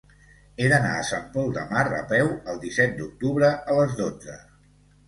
He d'anar a Sant Pol de Mar a peu el disset d'octubre a les dotze.